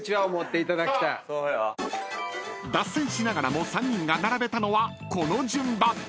［脱線しながらも３人が並べたのはこの順番］